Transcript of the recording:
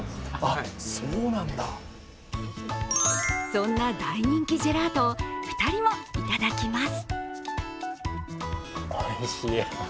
そんな大人気ジェラートを２人もいただきます。